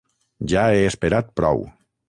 Ja he esperat prou.